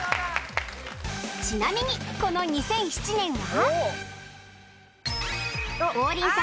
ちなみにこの２００７年は